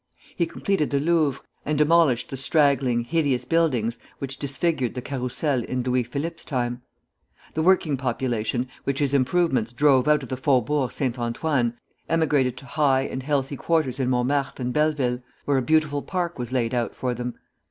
He completed the Louvre, and demolished the straggling, hideous buildings which disfigured the Carrousel in Louis Philippe's time. The working population, which his improvements drove out of the Faubourg Saint Antoine emigrated to high and healthy quarters in Montmartre and Belleville, where a beautiful park was laid out for them.